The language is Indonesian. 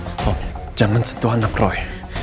stop jangan sentuh anak roy